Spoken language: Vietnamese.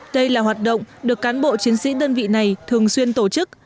đây là hoạt động được cán bộ chiến sĩ đơn vị này thường xuyên tổ chức